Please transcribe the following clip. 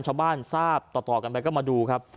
ชาวบ้านทราบต่อกันไปก็มาดูครับ